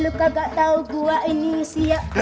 lo kagak tau gua ini siapa